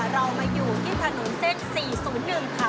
เรามาอยู่ที่ถนนเส้น๔๐๑ค่ะ